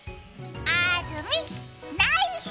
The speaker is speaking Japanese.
あーずみっ、ナイス！